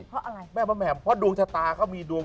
เพราะดวงชะตาเขามีดวง